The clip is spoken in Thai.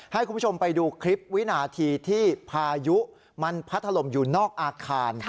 ให้คุณผู้ชมไปดูคลิปวินาทีที่พายุมันพัดถล่มอยู่นอกอาคาร